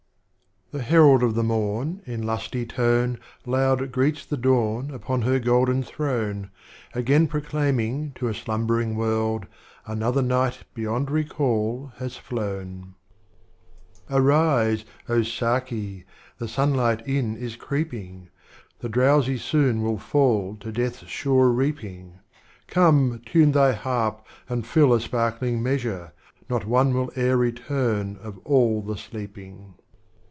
"The Herald of tlie Morn, in lusty tone, Loud greets the Dawn upon her Golden Throne, Again proclaiming to a Slumbering World, Another Night beyond recall has flown. Arise oh Stlki,i jiig Sunlight in is creeping. The Drowsy soon will fall to Death's sure Reaping, Come tune thy Harp, and fill a Sparkling Measure, — Not One will ere return of all the Sleeping.